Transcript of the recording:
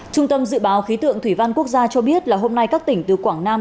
trung tâm dự báo khí tượng thủy văn quốc gia cho biết là hôm nay các tỉnh từ quảng nam